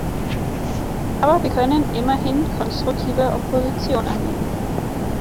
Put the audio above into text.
Aber wir können immerhin konstruktive Opposition anbieten.